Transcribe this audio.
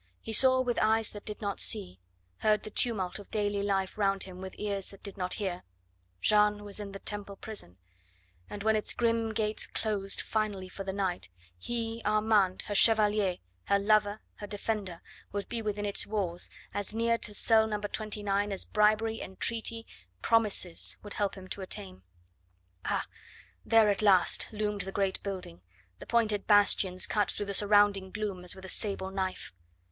He saw with eyes that did not see, heard the tumult of daily life round him with ears that did not hear. Jeanne was in the Temple prison, and when its grim gates closed finally for the night, he Armand, her chevalier, her lover, her defender would be within its walls as near to cell No. 29 as bribery, entreaty, promises would help him to attain. Ah! there at last loomed the great building, the pointed bastions cut through the surrounding gloom as with a sable knife.